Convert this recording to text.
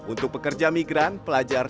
untuk pekerja migran pelajar